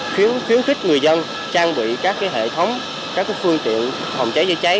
khiến khích người dân trang bị các hệ thống các phương tiện phòng cháy cháy cháy